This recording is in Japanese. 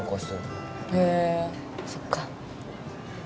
へえそっか。